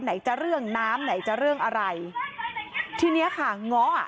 ไหนจะเรื่องน้ำไหนจะเรื่องอะไรทีเนี้ยค่ะง้ออ่ะ